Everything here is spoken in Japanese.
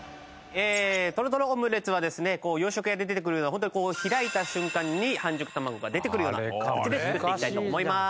トロトロオムレツはですね洋食屋で出てくるようなホントにこう開いた瞬間に半熟卵が出てくるような形で作っていきたいと思います。